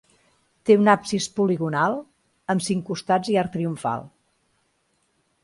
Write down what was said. Té un absis poligonal, amb cinc costats i arc triomfal.